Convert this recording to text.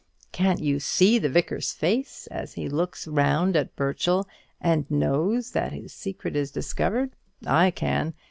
Can't you see the Vicar's face, as he looks round at Burchell, and knows that his secret is discovered? I can.